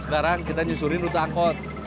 sekarang kita nyusurin rute angkot